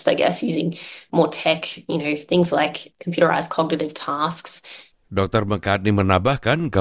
saya tidak akan terkejut jika mungkin kombinasi biomarker dengan tes perkembangan